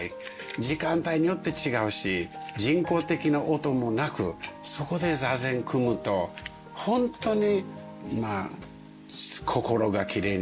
時間帯によって違うし人工的な音もなくそこで座禅組むと本当に心がきれいになるっていうか。